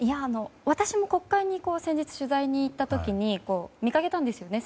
私も国会に先日、取材に行った時に見かけたんですよね